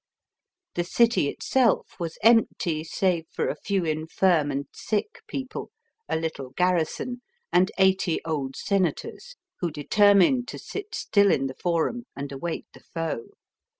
The city itself was empty save for a few infirm and sick people, a little garrison, and eighty old senators, who determined to sit still in the Forum and await the foe.